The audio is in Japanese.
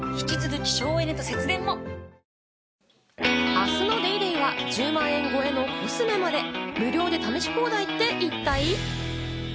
明日の『ＤａｙＤａｙ．』は、１０万超えのコスメまで、無料で試し放題って一体？